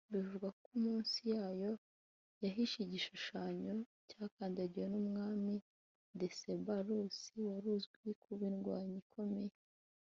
bivugwa ko munsi yayo hahishe igishushanyo cy’ahakandagiwe n’Umwami Decebalus wari uzwiho kuba indwanyi ikomeye